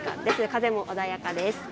風も穏やかです。